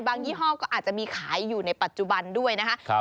ยี่ห้อก็อาจจะมีขายอยู่ในปัจจุบันด้วยนะคะ